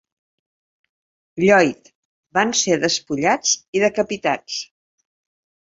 Lloyd, van ser despullats i decapitats.